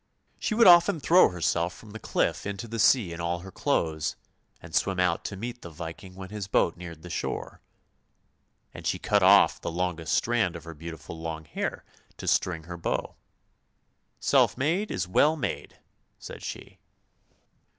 She would often throw herself from the cliff into the sea in all her clothes, and swim out to meet the Viking when his boat neared the shore; and she cut off the longest strand of her beautiful long hair to string her bow. " Self made is well made," said she.